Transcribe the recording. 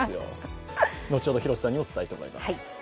後ほど、広瀬さんにも伝えてもらいます。